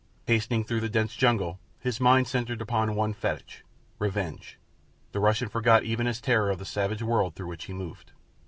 Hastening through the dense jungle, his mind centred upon his one fetich—revenge—the Russian forgot even his terror of the savage world through which he moved.